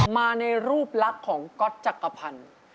มาในรูปลักษณ์ของก๊อตจักรพันธ์